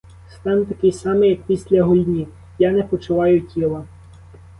Стан такий самий, як після гульні: я не почуваю тіла.